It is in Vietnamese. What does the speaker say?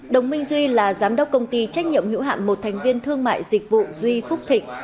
đồng minh duy là giám đốc công ty trách nhiệm hữu hạm một thành viên thương mại dịch vụ duy phúc thịnh